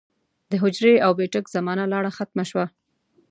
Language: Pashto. د حجرې او بېټک زمانه لاړه ختمه شوه